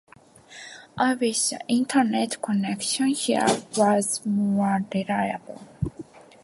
I wish the internet connection here was more reliable.